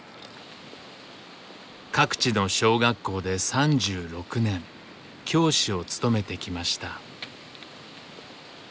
各地の小学校で３６年教師を務めてきました。